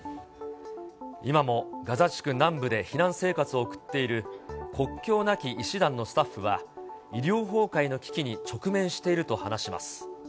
今もガザ地区南部で避難生活を送っている、国境なき医師団のスタッフは、医療崩壊の危機に直面していると話します。